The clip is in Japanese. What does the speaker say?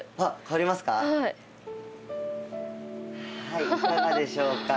はいいかがでしょうか？